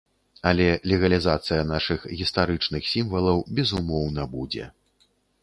Але легалізацыя нашых гістарычных сімвалаў, безумоўна, будзе.